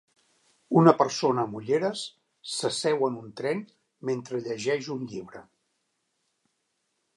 Una persona amb ulleres s'asseu en un tren mentre llegeix un llibre